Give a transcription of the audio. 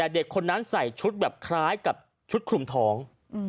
เด็กคนนั้นใส่ชุดแบบคล้ายกับชุดคลุมท้อง